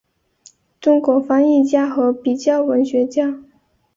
中国翻译家和比较文学家。